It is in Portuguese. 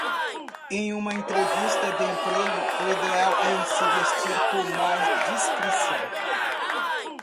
Em uma entrevista de emprego, o ideal é se vestir com mais discrição.